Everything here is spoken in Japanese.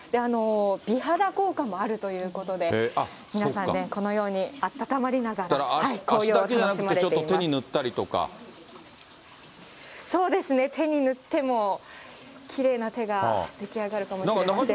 美肌効果もあるということで、皆さんね、このようにあたたまりながら、だから足だけじゃなく、ちょそうですね、手に塗ってもきれいな手が出来上がるかもしれません。